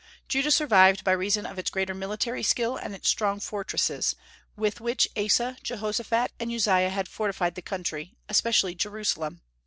Judah survived by reason of its greater military skill and its strong fortresses, with which Asa, Jehoshaphat, and Uzziah had fortified the country, especially Jerusalem.